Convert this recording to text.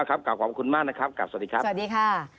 ขอบคุณมากนะครับกลับสวัสดีครับสวัสดีค่ะ